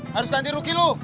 harus ganti rugi lu